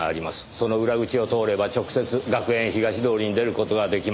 その裏口を通れば直接学園東通りに出る事が出来ます。